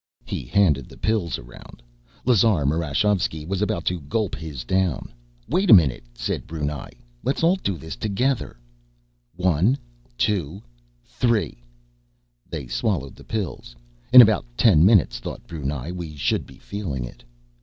He handed the pills around. Lazar Marashovski was about to gulp his down. "Wait a minute!" said Brunei. "Let's all do it together." "One, two, three!" They swallowed the pills. In about ten minutes, thought Brunei, we should be feeling it.